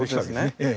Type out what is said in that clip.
ええ。